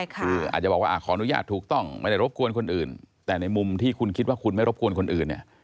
คืออาจจะบอกว่าขออนุญาตถูกต้องไม่ได้รบกวนคนอื่นแต่ในมุมที่คุณคิดว่าคุณไม่รบกวนคนอื่นเนี่ย